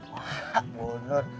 wah bu nur